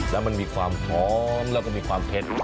แล้วมันมีความหอมแล้วก็มีความเผ็ด